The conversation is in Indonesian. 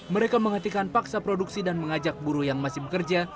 mereka menghentikan paksa produksi dan mengajak buruh yang masih bekerja